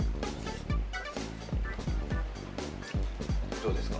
どうですか？